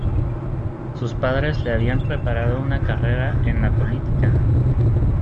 Sus padres le habían preparado una carrera en la política.